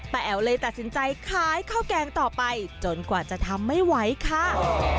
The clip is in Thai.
แอ๋วเลยตัดสินใจขายข้าวแกงต่อไปจนกว่าจะทำไม่ไหวค่ะ